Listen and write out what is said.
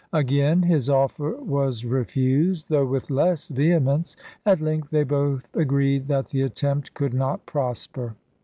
Again his offer was refused, though with less vehemence: at length they both agreed that the attempt could not prosper.